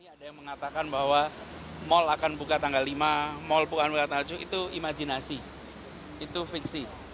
ada yang mengatakan bahwa mal akan buka tanggal lima mal bukan buka tanggal enam itu imajinasi itu fiksi